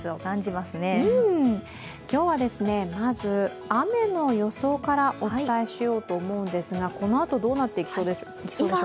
今日は、まず雨の予想からお伝えしようと思うんですが、このあと、どうなっていきそうでしょうか？